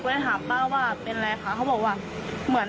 พี่สภัยลงมาดูว่าเกิดอะไรขึ้น